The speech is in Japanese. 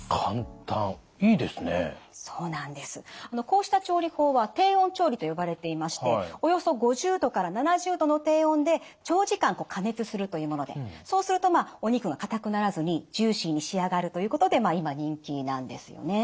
こうした調理法は低温調理と呼ばれていましておよそ５０℃から７０℃の低温で長時間加熱するというものでそうするとお肉がかたくならずにジューシーに仕上がるということで今人気なんですよね。